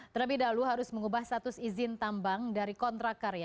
terlebih dahulu harus mengubah status izin tambang dari kontrak karya